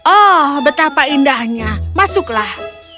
oh betapa indahnya masuklah